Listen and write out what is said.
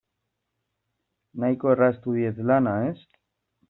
Nahiko erraztu diet lana, ez?